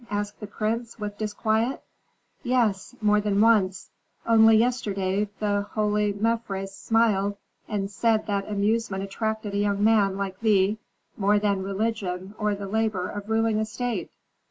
asked the prince, with disquiet. "Yes, more than once. Only yesterday the holy Mefres smiled, and said that amusement attracted a young man like thee more than religion or the labor of ruling a state."